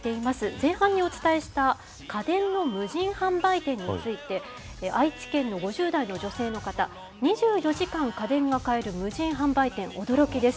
前半にお伝えした家電の無人販売店について、愛知県の５０代の女性の方、２４時間家電が買える無人販売店、驚きです。